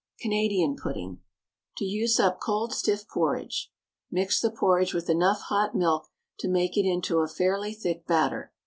CANADIAN PUDDING. To use up cold stiff porridge. Mix the porridge with enough hot milk to make it into a fairly thick batter.